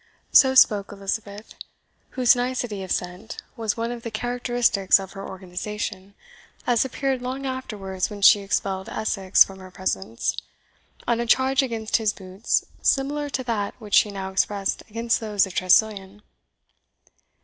So spoke Elizabeth, whose nicety of scent was one of the characteristics of her organization, as appeared long afterwards when she expelled Essex from her presence, on a charge against his boots similar to that which she now expressed against those of Tressilian.